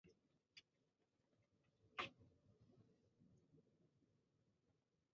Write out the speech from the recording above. চার বছর পর তিনি সিইও হন।